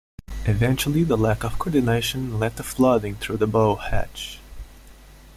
Eventually the lack of coordination led to flooding through the bow hatch.